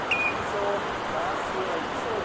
ダースーはいきそうよ